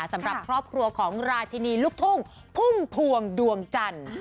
สำหรับครอบครัวของราชินีลูกทุ่งพุ่มพวงดวงจันทร์